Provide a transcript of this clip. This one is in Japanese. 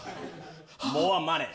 モアマネー。